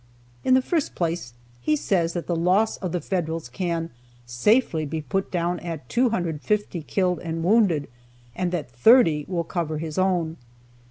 In the first place, he says that the loss of the Federals can "safely be put down at 250 killed and wounded," and that 30 will cover his own.